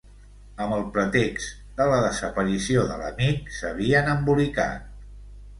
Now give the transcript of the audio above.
Amb el pretext de la desaparició de l'amic, s'havien embolicat.